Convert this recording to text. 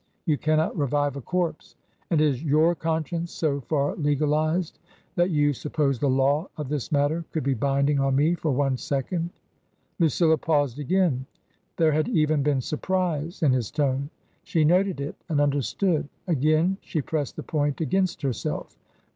You cannot revive a corpse. And is your conscience so far legalized that you suppose the law of this matter could be binding on me for one second ?" Lucilla paused again. There had even been surprise in his tone. She noted it and understood. Again she pressed the point against herself.